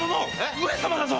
上様だぞ！